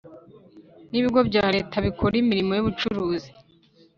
N ibigo bya leta bikora imirimo y ubucuruzi